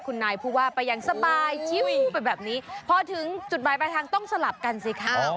คุณนายผู้ว่าไปอย่างสบายชิวไปแบบนี้พอถึงจุดหมายปลายทางต้องสลับกันสิคะ